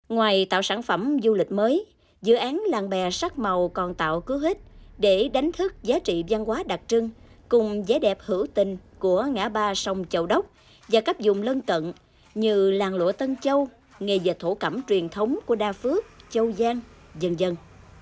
ngoài tạo sản phẩm du lịch mới dự án làng bè sắc màu còn tạo cứu hít để đánh thức giá trị văn hóa đặc trưng cùng giá đẹp hữu tình của ngã ba sông châu đốc và các dùng lân cận như làng lũa tân châu nghề dạy thổ cẩm truyền thống của đa phước châu giang dân dân